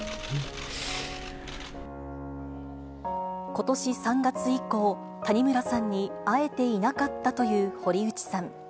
ことし３月以降、谷村さんに会えていなかったという堀内さん。